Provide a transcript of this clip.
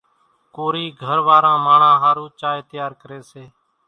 گھر واران ماڻۿان ۿارُو چائيَ تيار ڪريَ سي۔